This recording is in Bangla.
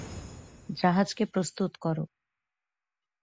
জাহাজকে প্রস্তুত করো!